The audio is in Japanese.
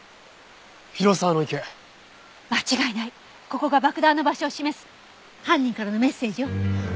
ここが爆弾の場所を示す犯人からのメッセージよ。